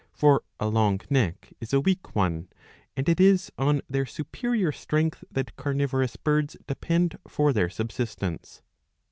For a long neck is a weak one, and it is on their superior strength that carnivorous birds depend for their subsistence.